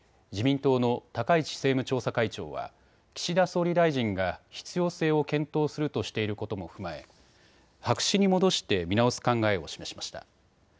自民党の高市政務調査会長は岸田総理大臣が必要性を検討するとしていることも踏まえ白紙に戻して見直す考えを示しました。